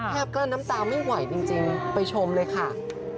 กลั้นน้ำตาไม่ไหวจริงไปชมเลยค่ะ